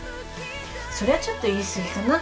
それはちょっと言い過ぎかな？